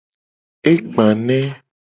E gba ne.